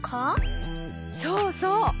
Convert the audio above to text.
そうそう！